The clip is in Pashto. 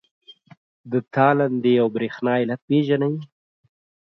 د تالندې او برېښنا علت پیژنئ؟